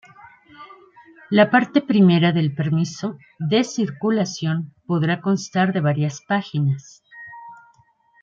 La parte I del permiso de circulación podrá constar de varias páginas.